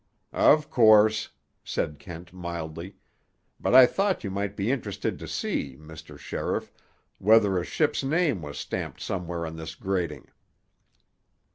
"Of course," said Kent mildly; "but I thought you might be interested to see, Mr. Sheriff, whether a ship's name was stamped somewhere on this grating."